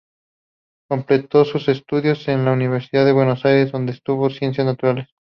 Completó sus estudios en la Universidad de Buenos Aires donde estudió ciencias naturales.